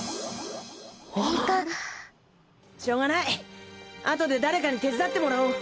しようがないあとで誰かに手伝ってもらおう。